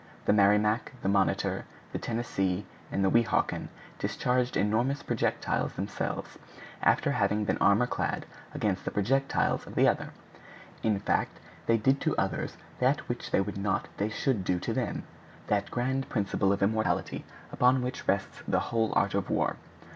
The Merrimac, the Monitor, the Tennessee, the Weehawken discharged enormous projectiles themselves, after having been armor clad against the projectiles of others. In fact they did to others that which they would not they should do to them—that grand principle of immortality upon which rests the whole art of war.